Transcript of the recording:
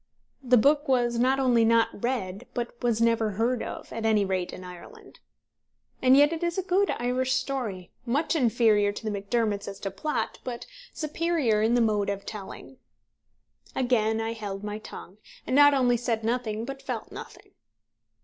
The book was not only not read, but was never heard of, at any rate in Ireland. And yet it is a good Irish story, much inferior to The Macdermots as to plot, but superior in the mode of telling. Again I held my tongue, and not only said nothing but felt nothing.